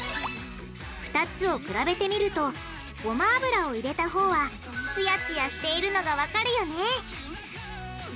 ２つを比べてみるとごま油を入れたほうはツヤツヤしているのがわかるよね！